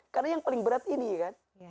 karena yang paling berat ini ya kan